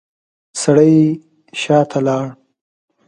سړی شاته لاړ.